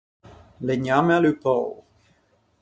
Legnamme alluppou.